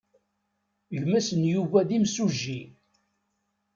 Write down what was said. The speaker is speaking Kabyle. Gma-s n Yuba d imsujji.